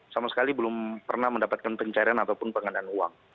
sama sekali belum pernah mendapatkan penggandaan uang